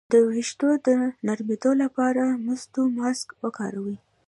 د ویښتو د نرمیدو لپاره د مستو ماسک وکاروئ